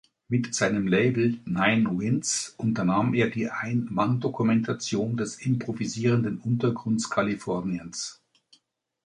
Mit seinem Label „Nine Winds“ unternahm er die Ein-Mann-Dokumentation des improvisierenden Untergrunds Kaliforniens“.